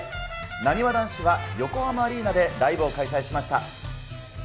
なにわ男子は横浜アリーナでライブを開催しました。